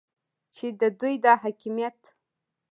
چې د دوی دا حاکمیت